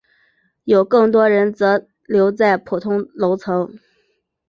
有更多人则留在普通楼层。